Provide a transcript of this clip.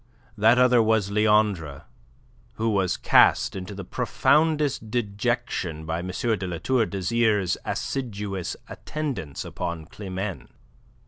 That other was Leandre, who was cast into the profoundest dejection by M. de La Tour d'Azyr's assiduous attendance upon Climene.